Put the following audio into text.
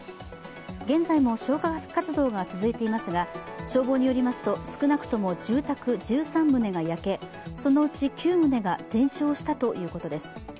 現在も消火活動が続いていますが消防によりますと少なくとも住宅１３棟が焼け、そのうち９棟が全焼したということです。